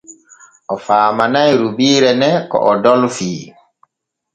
O faamanay rubiire ne ko o dolfii.